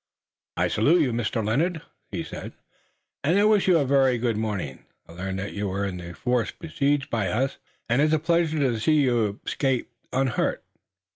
"I salute you, Mr. Lennox," he said, "and wish you a very good morning. I learned that you were in the force besieged by us, and it's a pleasure to see that you've escaped unhurt.